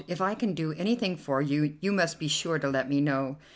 If I can do anything for you, you must be sure and let me know."